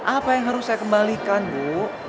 apa yang harus saya kembalikan bu